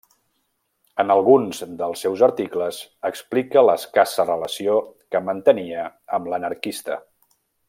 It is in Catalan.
En alguns dels seus articles explica l'escassa relació que mantenia amb l'anarquista.